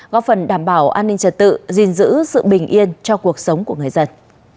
góp phần đảm bảo an ninh trật tự gìn giữ sự bình yên cho cuộc sống của người dân